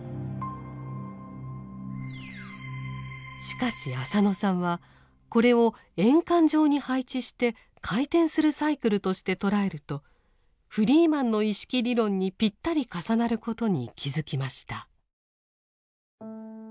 しかし浅野さんはこれを円環上に配置して回転するサイクルとして捉えるとフリーマンの意識理論にぴったり重なることに気づきました。